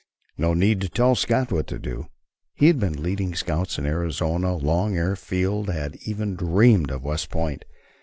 No need to tell Scott what to do! He had been leading scouts in Arizona long ere Field had even dreamed of West Point.